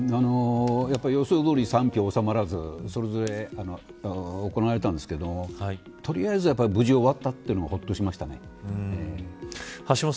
やっぱり予想どおり賛否収まらず行われたんですけど取りあえずやっぱ無事終わったというのは、ほっとしましたね。